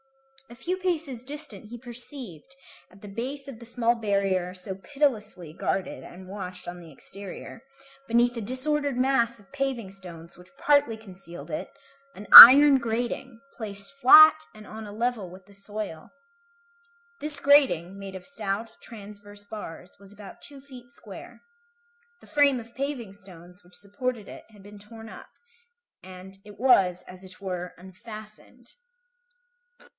A few paces distant he perceived, at the base of the small barrier so pitilessly guarded and watched on the exterior, beneath a disordered mass of paving stones which partly concealed it, an iron grating, placed flat and on a level with the soil. This grating, made of stout, transverse bars, was about two feet square. The frame of paving stones which supported it had been torn up, and it was, as it were, unfastened.